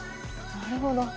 なるほど。